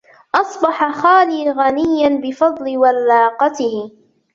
أصبح خالي غنيا بفضل وراقته.